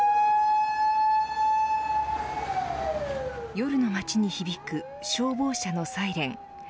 夜の町に響く消防車のサイレン。